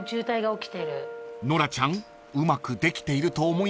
［ノラちゃんうまくできていると思いますよ］